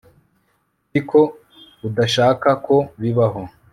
nzi ko udashaka ko bibaho